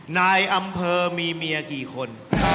นายอำเภอมีเมียกี่คน